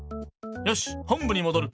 よしっ本ぶにもどる。